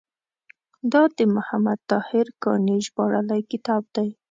دا د محمد طاهر کاڼي ژباړلی کتاب دی.